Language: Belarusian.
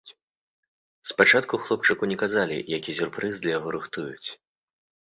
Спачатку хлопчыку не казалі, які сюрпрыз для яго рыхтуюць.